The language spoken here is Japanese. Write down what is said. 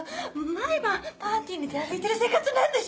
毎晩パーティーに出歩いてる生活なんでしょ？